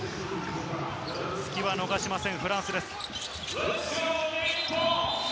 隙は逃しません、フランスです。